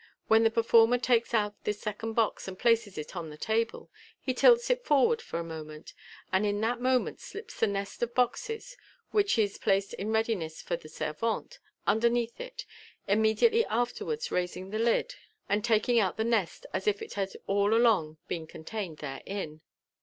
When the performer takes out this second box and places it on the table, he tilts it forward for a moment, and in that moment slips the nest of boxes (which is olaced in readiness on the servante), underneath it, immediately after wards raising the lid, and taking out the nest, as if it had all along been contained therein.